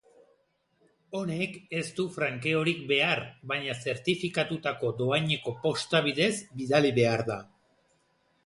Honek ez du frankeorik behar baina zertifikatutako dohaineko posta bidez bidali behar da.